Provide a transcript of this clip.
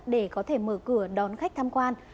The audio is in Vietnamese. để có thể mở cửa đón khách tham quan